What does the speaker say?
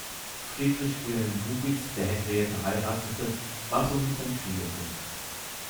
Friedrich Wilhelm Gubitz, der Henriette heiratete, war somit sein Schwiegersohn.